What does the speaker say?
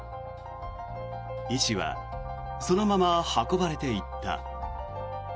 医師はそのまま運ばれていった。